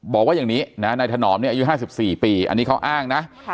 บอกว่าอย่างนี้นะนายถนอมเนี่ยอายุ๕๔ปีอันนี้เขาอ้างนะ